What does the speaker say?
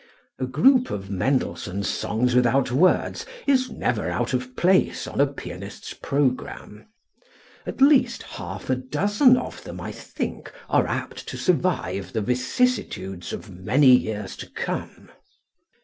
A group of Mendelssohn's "Songs Without Words" is never out of place on a pianist's program. At least half a dozen of them, I think, are apt to survive the vicissitudes of many years to come.